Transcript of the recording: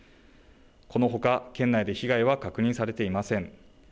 このほか県内で被害は確認されていません。